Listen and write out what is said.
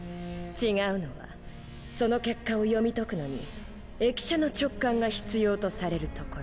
違うのはその結果を読み解くのに易者の直感が必要とされるところ。